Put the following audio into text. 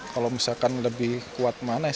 kalau misalkan lebih kuat mana saya lebih